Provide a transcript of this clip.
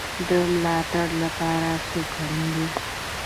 د ملاتړ لپاره څوک اړین دی؟